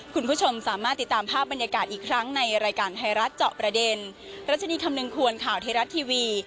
คุณผู้ชมสามารถติดตามภาพบรรยากาศอีกครั้งในรายการไทยรัฐเจาะประเด็นรัชนีคำนึงควรข่าวไทยรัฐทีวี